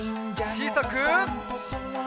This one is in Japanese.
ちいさく。